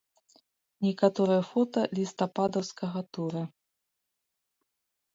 Некаторыя фота лістападаўскага тура.